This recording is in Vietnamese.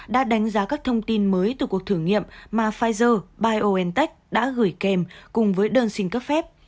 đã đánh giá các thông tin mới từ cuộc thử nghiệm mà pfizer biontech đã gửi kèm cùng với đơn xin cấp phép